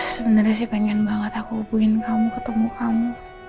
sebenarnya sih pengen banget aku hubungin kamu ketemu kamu